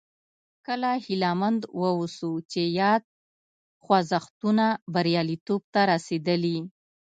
کله هیله مند واوسو چې یاد خوځښتونه بریالیتوب ته رسېدلي.